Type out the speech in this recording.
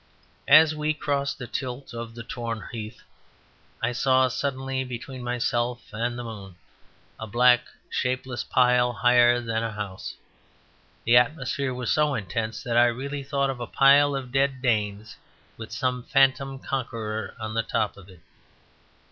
As we crossed a tilt of the torn heath I saw suddenly between myself and the moon a black shapeless pile higher than a house. The atmosphere was so intense that I really thought of a pile of dead Danes, with some phantom conqueror on the top of it.